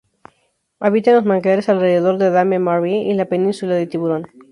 Habita en los manglares alrededor de Dame-Marie en la península de Tiburón.